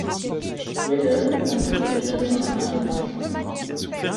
Weddell entre très jeune dans la marine marchande.